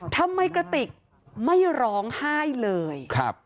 ทำไมกระติกไม่ร้องไห้เลยครับ